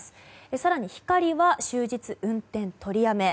更に「ひかり」は終日運転取りやめ。